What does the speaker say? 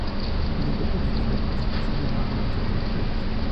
Su nombre proviene de la contracción del nombre de estas dos velas.